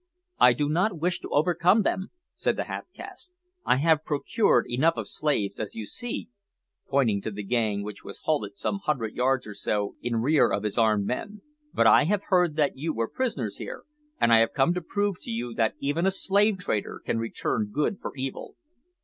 "I do not wish to overcome them," said the half caste. "I have procured enough of slaves, as you see," (pointing to the gang which was halted some hundred yards or so in rear of his armed men), "but I heard that you were prisoners here, and I have come to prove to you that even a slave trader can return good for evil.